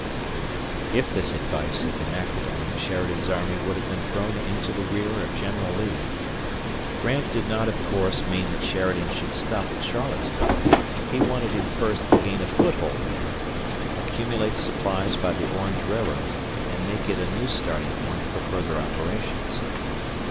If this advice had been acted on, Sheridan's army would have been thrown into the rear of General Lee. Grant did not, of course, mean that Sheridan should stop at Charlottesville. He wanted him first to gain a foothold there, accumulate supplies by the Orange Railroad, and make it a new starting point for further operations.